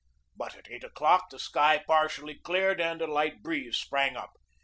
But at eight o'clock the sky partially cleared and a light breeze sprang up.